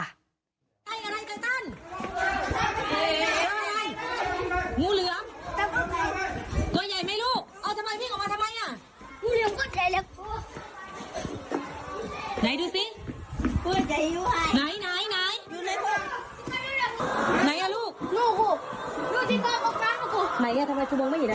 อะไรอะไรตะตันื้ออะไรงูเหลวเป็นไง